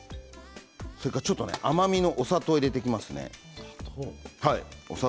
それから甘みのお砂糖を入れていきますね。